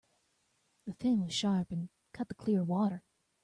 The fin was sharp and cut the clear water.